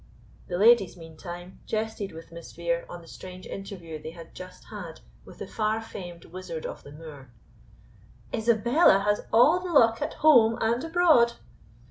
The ladies, meantime, jested with Miss Vere on the strange interview they had just had with the far famed wizard of the Moor. "Isabella has all the luck at home and abroad!